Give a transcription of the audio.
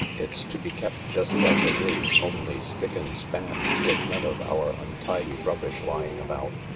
It's to be kept just as it is, only spick and span, with none of our untidy rubbish lying about.